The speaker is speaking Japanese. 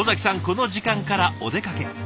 この時間からお出かけ。